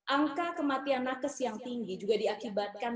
angka kematian nakes yang tinggi juga diakibatkan